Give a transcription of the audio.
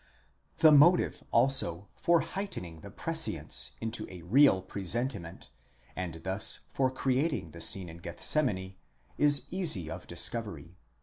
The motive also for heightening the prescience into a real presentiment, and thus for creating the scene in Gethsemane, is easy of discovery.